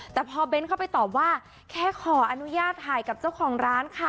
แต่พอเบ้นเข้าไปตอบว่าแค่ขออนุญาตถ่ายกับเจ้าของร้านค่ะ